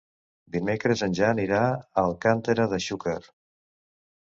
Dimecres en Jan irà a Alcàntera de Xúquer.